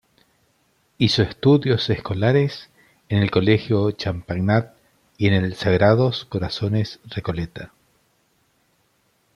Hizo estudios escolares en el Colegio Champagnat y en el Sagrados Corazones Recoleta.